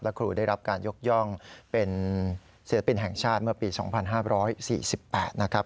ครูได้รับการยกย่องเป็นศิลปินแห่งชาติเมื่อปี๒๕๔๘นะครับ